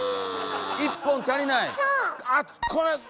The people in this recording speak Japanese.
１本足りない⁉そう！